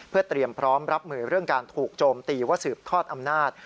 เพื่อเตรียมพร้อมรับมือเรื่องการถูกโจมตีว่าสืบทอดอำนาจ